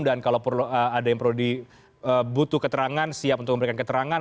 dan kalau ada yang perlu dibutuhkan keterangan siap untuk memberikan keterangan